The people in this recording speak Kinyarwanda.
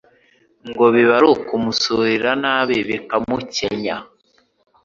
ngo biba ari ukumusurira nabi bikamukenya